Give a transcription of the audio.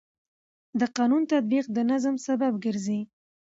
د قانون تطبیق د نظم سبب ګرځي.